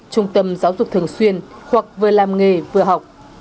trung tâm giáo dục thường xuyên hoặc vừa làm nghề vừa học